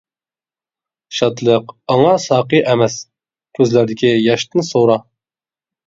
شادلىق ئاڭا ساقى ئەمەس، كۆزلەردىكى ياشتىن سورا.